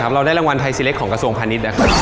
หากาเชียปุ้งครับ